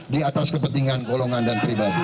di atas kepentingan golongan dan pribadi